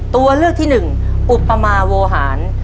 ตัวเลือกที่หนึ่งอุปมาโวหาร